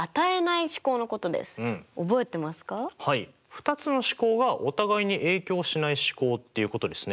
２つの試行がお互いに影響しない試行っていうことですね。